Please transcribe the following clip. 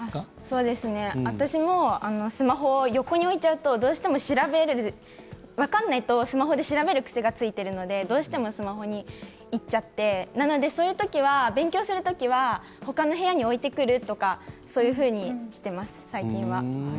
私もスマホを横に置いちゃうと分からないとスマホで調べる癖がついているので、どうしてもスマホにいっちゃってそういう時は勉強する時は他の部屋に置いてくるとかそういうふうにしています最近は。